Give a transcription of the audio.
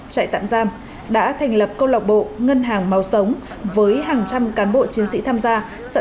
trại tạm giam đã thành lập câu lạc bộ ngân hàng màu sống với hàng trăm cán bộ chiến sĩ tham gia